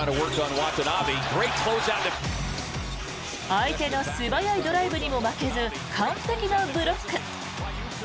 相手の素早いドライブにも負けず完璧なブロック。